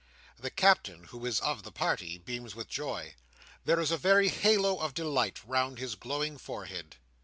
The Captain, who is of the party, beams with joy. There is a very halo of delight round his glowing forehead.